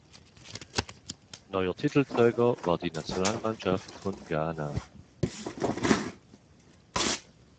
Neuer Titelträger war die Nationalmannschaft von Ghana.